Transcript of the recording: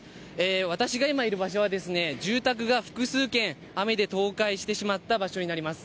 私が今、いる場所は、住宅が複数軒雨で倒壊してしまった場所になります。